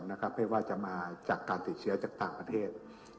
ไม่ว่าจะมาจากการติดเชื้อจากต่างประเทศ